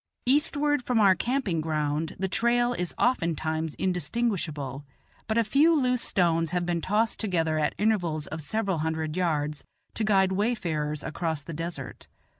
Eastward from our camping ground the trail is oftentimes indistinguishable; but a few loose stones have been tossed together at intervals of several hundred yards, to guide wayfarers across the desert.